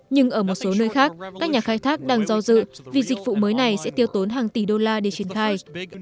nhưng ở một số nơi khác các nhà khai thác đang do dự vì dịch vụ mới này sẽ tiêu tốn hàng tỷ đô la để triển khai